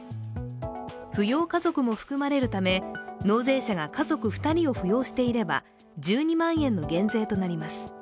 扶養家族も含まれるため、納税者が家族２人を扶養していれば１２万円の減税となります。